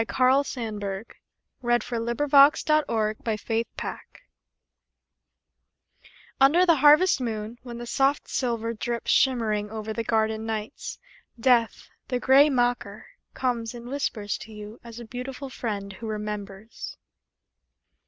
Carl Sandburg UNDER THE HARVEST MOON UNDER the harvest moon, When the soft silver Drips shimmering Over the garden nights, Death, the gray mocker, Comes and whispers to you As a beautiful friend Who remembers.